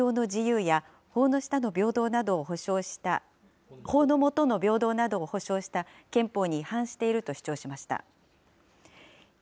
特措法や命令は営業の自由や法の下の平等などを保障した法の下の平等などを保障した憲法に違反していると主張しました。